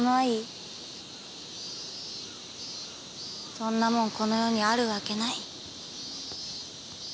そんなもんこの世にあるわけない。